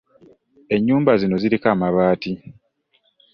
Ennyumba zino ziriko amabaati.